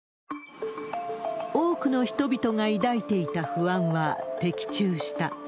多くの人々が抱いていた不安は的中した。